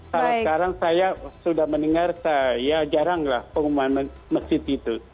kalau sekarang saya sudah mendengar ya jaranglah pengumuman masjid itu